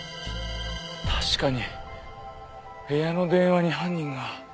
確かに部屋の電話に犯人が。